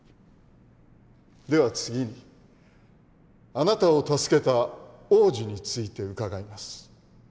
では次にあなたを助けた王子について伺います。